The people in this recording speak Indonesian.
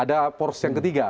ada pors yang ketiga